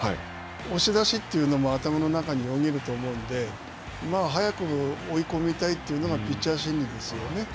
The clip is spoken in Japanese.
押し出しというのも頭の中によぎると思うんで、早く追い込みたいというのがピッチャー心理ですよね。